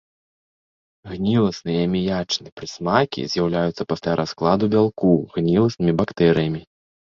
Гніласны і аміячны прысмакі з'яўляюцца пасля раскладу бялку гніласнымі бактэрыямі.